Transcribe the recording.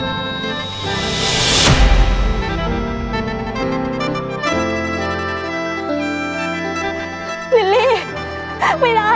ใครรีดที่ไม่มีแม่